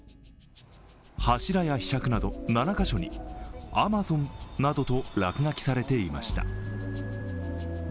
柱やひしゃくなど７カ所に「ＡＭＡＺＯＮ」などと落書きされていました。